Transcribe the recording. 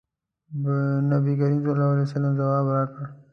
نبي کریم صلی الله علیه وسلم ځواب راکړ.